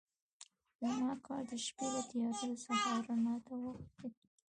زما کار د شپې له تیارو د سهار رڼا ته وغځېد.